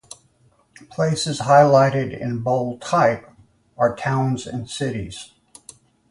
Places highlighted in bold type are towns and cities.